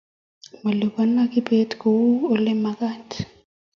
malipana kibet kou ole magat